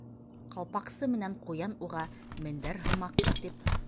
Ҡалпаҡсы менән Ҡуян уға мендәр һымаҡ итеп